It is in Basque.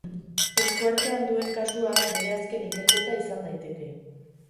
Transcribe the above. Esku artean duen kasua bere azken ikerketa izan daiteke.